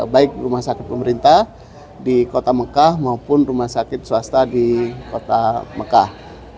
baik rumah sakit pemerintah di kota mekah maupun rumah sakit swasta di kota mekah